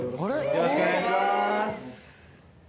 よろしくお願いします。